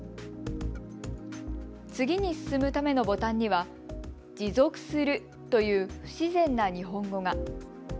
次に進むためのボタンには持続するという不自然な日本語が。